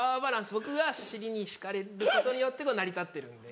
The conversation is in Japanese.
僕が尻に敷かれることによって成り立ってるんで。